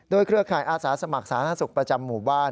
โดยเครือข่ายอาสาสมัครสาธารณสุขประจำหมู่บ้าน